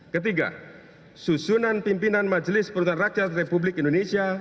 ketiga susunan pimpinan majelis perusahaan rakyat republik indonesia